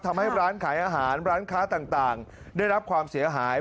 ทำให้ร้านขายอาหารร้านค้าต่างได้รับความเสียหาย